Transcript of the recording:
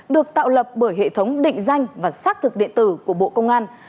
được tạo lập bởi hệ thống định danh và xác thực điện tử của bộ công an